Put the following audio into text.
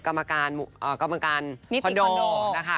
กรรมการนิติคอนโด